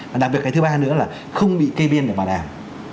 và đặc biệt cái thứ ba nữa là không bị kê biên để bảo đảm